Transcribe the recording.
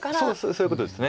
そういうことです。